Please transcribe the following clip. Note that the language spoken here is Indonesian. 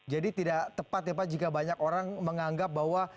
jadi tidak tepat ya pak jika banyak orang menganggap bahwa